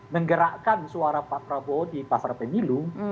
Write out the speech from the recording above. menggerakkan suara pak prabowo di pasar pemilu